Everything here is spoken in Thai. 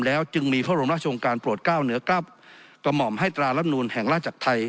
แล้วจึงมีพระบรมราชองค์การโปรดเก้าเหนือกลับกระหม่อมให้ตรารับนูลแห่งราชจักรไทย